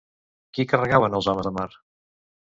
Qui carregaven els homes de mar?